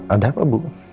ada apa bu